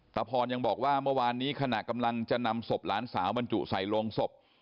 พรยังบอกว่าเมื่อวานนี้ขณะกำลังจะนำศพหลานสาวบรรจุใส่ลงศพ